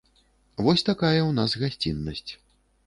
Вось такая ў нас гасціннасць.